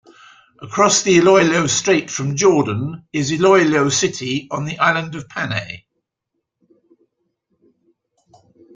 Across the Iloilo Strait from Jordan is Iloilo City on the island of Panay.